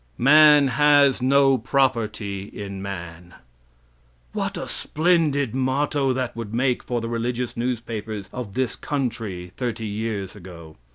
"Man has no property in man." What a splendid motto that would make for the religious newspapers of this country thirty years ago.